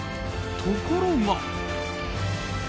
ところが。